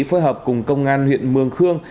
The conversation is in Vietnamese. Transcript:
phối hợp cùng công an huyện mương khương